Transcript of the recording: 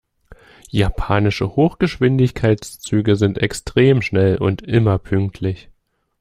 Japanische Hochgeschwindigkeitszüge sind extrem schnell und immer pünktlich.